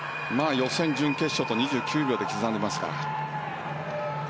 予選、準決勝と２９秒で刻んでますから。